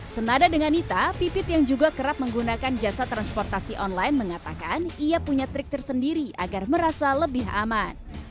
senada dengan nita pipit yang juga kerap menggunakan jasa transportasi online mengatakan ia punya trik tersendiri agar merasa lebih aman